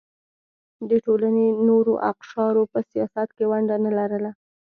د ټولنې نورو اقشارو په سیاست کې ونډه نه لرله.